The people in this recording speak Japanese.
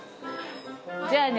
じゃあね。